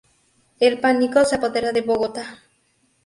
El pánico se apodera de Bogotá.